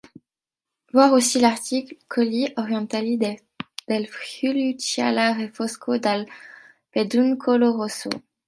Voir aussi l’article Colli Orientali del Friuli Cialla Refosco dal Peduncolo rosso.